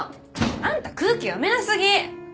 あんた空気読めな過ぎ！